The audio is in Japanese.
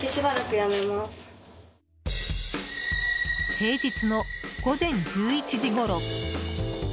平日の午前１１時ごろ。